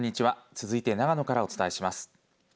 続いて長野からお伝えします。